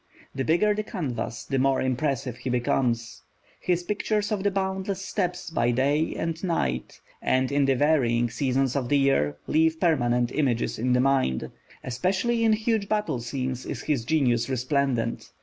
The bigger the canvas, the more impressive he becomes. His pictures of the boundless steppes by day and night, and in the varying seasons of the year, leave permanent images in the mind. Especially in huge battle scenes is his genius resplendent.